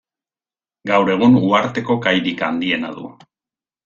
Gaur egun uharteko kairik handiena du.